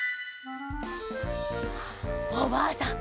おばあさん